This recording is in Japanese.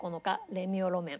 レミオロメン。